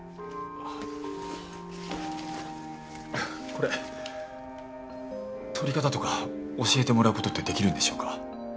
これ撮り方とか教えてもらう事ってできるんでしょうか？